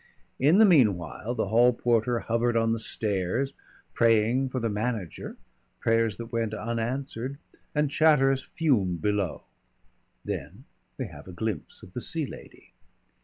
In the meanwhile the hall porter hovered on the stairs, praying for the manager prayers that went unanswered and Chatteris fumed below. Then we have a glimpse of the Sea Lady.